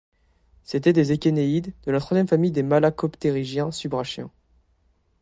C’étaient des échénéïdes, de la troisième famille des malacoptérygiens subbrachiens.